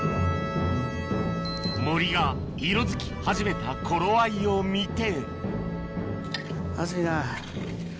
森が色づき始めた頃合いを見て暑いな。